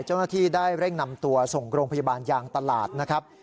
เจ้าหน้าที่ได้เร่งนำตัวส่งโรงพยาบาลยางตลาดนะครับ